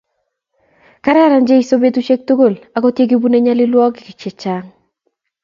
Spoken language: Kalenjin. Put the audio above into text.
Kararan Jeso betushiek tukul akot yekibune nyalilwogike che chang